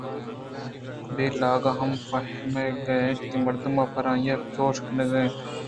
بلے لاگ ہمے فہمگ ءَ اَت کہ مردم پرآئی ءَ چُش کنگ ءَ اَنت